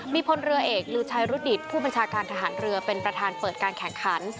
มีพลเรือเอกลือชัยรุดิตผู้บัญชาการทหารเรือเป็นประธานเปิดการแข่งขัน